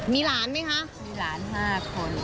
มีหลานไหมคะมีหลาน๕คน